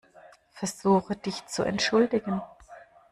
Versuche, dich zu entschuldigen.